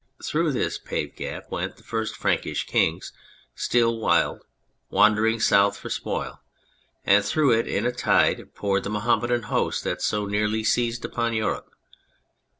Through this paved gap went the first Prankish kings, still wild, wandering South for spoil, and through it in a tide poured the Mohammedan host that so nearly seized upon Europe.